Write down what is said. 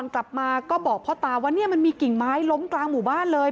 กลับมาก็บอกพ่อตาว่าเนี่ยมันมีกิ่งไม้ล้มกลางหมู่บ้านเลย